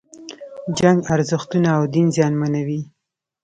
جنگ ارزښتونه او دین زیانمنوي.